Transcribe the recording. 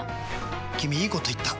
君いいこと言った！